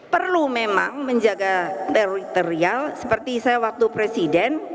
perlu memang menjaga teritorial seperti saya waktu presiden